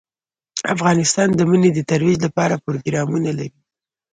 افغانستان د منی د ترویج لپاره پروګرامونه لري.